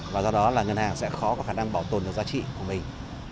và do đó là ngân hàng sẽ khó có khả năng bảo tồn được giá trị của mình